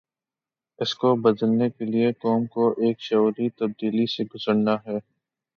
اس کو بدلنے کے لیے قوم کو ایک شعوری تبدیلی سے گزرنا ہے۔